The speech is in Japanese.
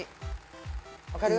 分かる？